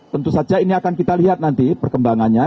tentu saja ini akan kita lihat nanti perkembangannya